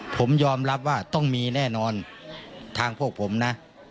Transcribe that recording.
ผมยอมรับว่าต้องมีแน่นอนทางพวกผมนะ